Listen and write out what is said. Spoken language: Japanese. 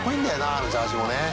あのジャージもね。